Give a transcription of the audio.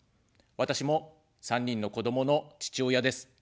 私も３人の子どもの父親です。